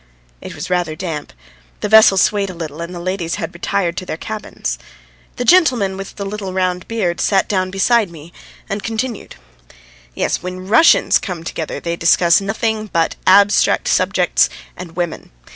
It was rather damp; the vessel swayed a little, and the ladies had retired to their cabins. The gentleman with the little round beard sat down beside me and continued: "Yes, when Russians come together they discuss nothing but abstract subjects and women.